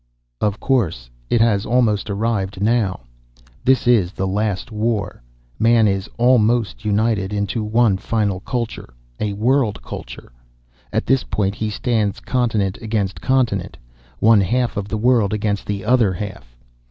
"Of course. It has almost arrived now. This is the last war. Man is almost united into one final culture a world culture. At this point he stands continent against continent, one half of the world against the other half.